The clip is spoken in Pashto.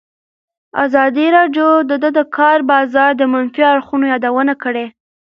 ازادي راډیو د د کار بازار د منفي اړخونو یادونه کړې.